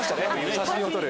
写真を撮る。